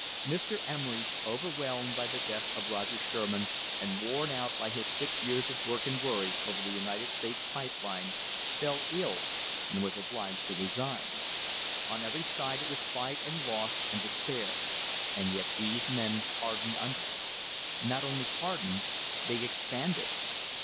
Mr. Emery, overwhelmed by the death of Roger Sherman and worn out by his six years of work and worry over the United States Pipe Line, fell ill and was obliged to resign. On every side it was fight and loss and despair, and yet these men hardened under it. Not only hardened, they expanded.